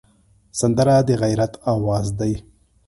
سندره د غیرت آواز دی